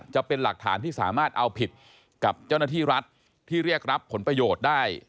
จะเป็นหลักฐานที่สามารถเอาผิดกับเจ้าหน้าที่รัฐที่เรียกรับผลประโยชน์ได้